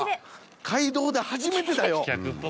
街道で初めてだよ。